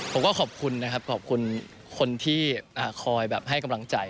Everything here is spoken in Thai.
ผมก็ขอบคุณนะครับขอบคุณคนที่คอยแบบให้กำลังใจ